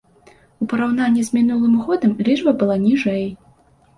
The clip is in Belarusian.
У параўнанні з мінулым годам лічба была ніжэй.